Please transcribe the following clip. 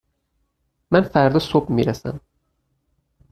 من فردا صبح می رسم